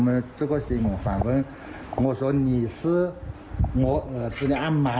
ไม่รู้สินะฮะจนก็ไม่รู้สินะฮะ